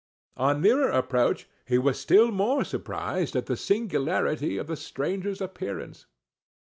On nearer approach he was still more surprised at the singularity of the stranger's appearance.